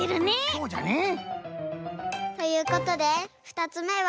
そうじゃね。ということで２つめは。